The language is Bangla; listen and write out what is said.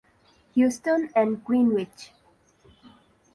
Houston and Greenwich.